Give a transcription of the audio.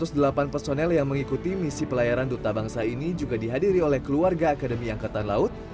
dua ratus delapan personel yang mengikuti misi pelayaran duta bangsa ini juga dihadiri oleh keluarga akademi angkatan laut